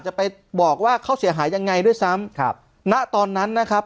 จะไปบอกว่าเขาเสียหายยังไงด้วยซ้ำครับณตอนนั้นนะครับ